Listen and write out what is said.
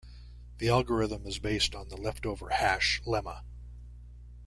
The algorithm is based on the leftover hash lemma.